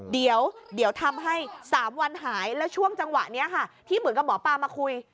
อ๋อเดี๋ยวทำให้สามวันหายแล้วช่วงจังหวะนี้ที่หมอปลามาคุย